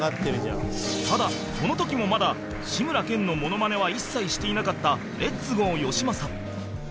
ただこの時もまだ志村けんのモノマネは一切していなかったレッツゴーよしまさ